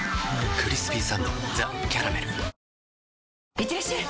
いってらっしゃい！